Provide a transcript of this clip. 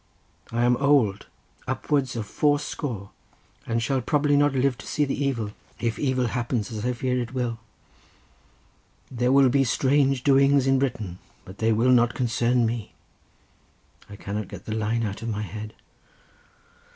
I am old, upwards of fourscore, and shall probably not live to see the evil, if evil happens, as I fear it will—'There will be strange doings in Britain, but they will not concern me.' I cannot get the line out of my head."